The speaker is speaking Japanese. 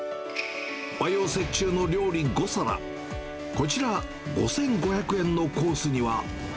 和洋折衷の料理５皿、こちら、５５００円のコースには。